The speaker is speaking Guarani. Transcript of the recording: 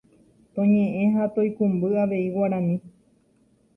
Toñe'ẽ ha toikũmby avei Guarani